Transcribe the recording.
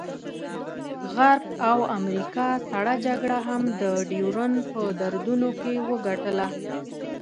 غرب او امریکا سړه جګړه هم د ډیورنډ په دردونو کې وګټله.